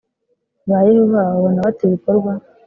ba yehova babona bate ibikorwa